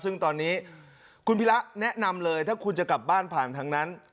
ซึ่งตอนนี้คุณพิระแนะนำเลยถ้าคุณจะกลับบ้านผ่านทางนั้น